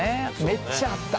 めっちゃあった！